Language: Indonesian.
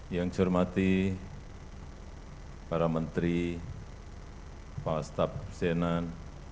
yang saya hormati para menteri kepala staf senan